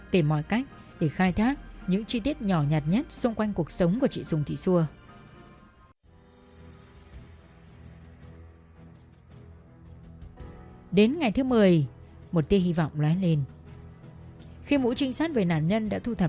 tìm mọi cách để khai thác những chi tiết gây kinh tế